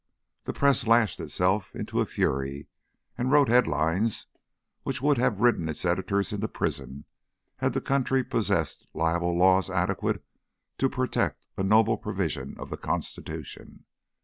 The press lashed itself into a fury and wrote head lines which would have ridden its editors into prison had the country possessed libel laws adequate to protect a noble provision of the Constitution.